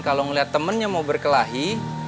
kalo ngeliat temennya mau berkelahi